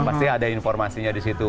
pasti ada informasinya di situ